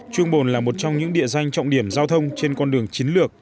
trung bồn là một trong những địa danh trọng điểm giao thông trên con đường chiến lược